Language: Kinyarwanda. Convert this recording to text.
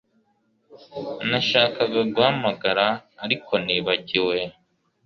Nashakaga guhamagara ariko nibagiwe